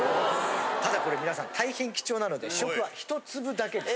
ただこれ皆さん大変貴重なので試食は１粒だけです。